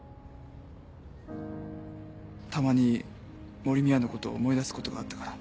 たまに森宮のことを思い出すことがあったから。